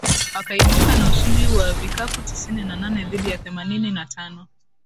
wakaibuka na ushindi wa vikapu tisini na nane dhidi ya themanini na tano